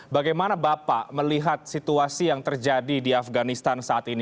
bagaimana bapak melihat situasi yang terjadi di afganistan saat ini